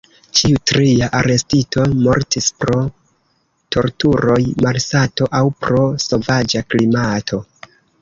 Ĉiu tria arestito mortis pro torturoj, malsato aŭ pro sovaĝa klimato.